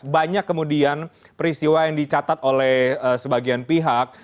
banyak kemudian peristiwa yang dicatat oleh sebagian pihak